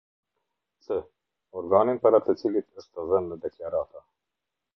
C. Organin para të cilit është dhënë deklarata.